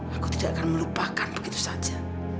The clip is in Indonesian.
aku tidak akan melupakan begitu saja